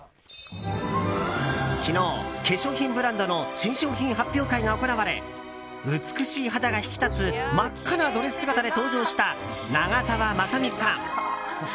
昨日、化粧品ブランドの新商品発表会が行われ美しい肌が引き立つ真っ赤なドレス姿で登場した長澤まさみさん。